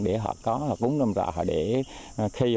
để họ có cúng rơm rạ để khi họ